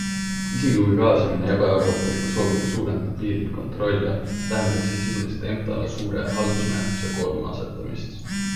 Isegi kui kaasa minna ebaeuroopaliku sooviga suurendada piiril kontrolle, tähendaks see sisuliselt EMTA-le suure haldusmenetluse koorma asetamist.